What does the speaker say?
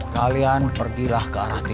kalian pergilah ke arah timur